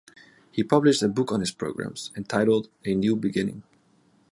He published a book on his programs, entitled "A New Beginning".